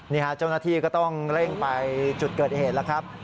เจ้าหน้าที่ก็ต้องเร่งไปจุดเกิดเหตุแล้วครับ